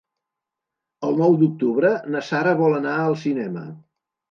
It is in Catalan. El nou d'octubre na Sara vol anar al cinema.